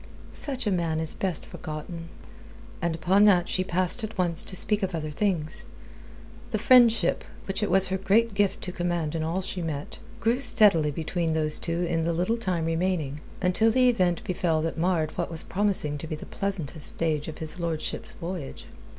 "Such a man is best forgotten." And upon that she passed at once to speak of other things. The friendship, which it was her great gift to command in all she met, grew steadily between those two in the little time remaining, until the event befell that marred what was promising to be the pleasantest stage of his lordship's voyage.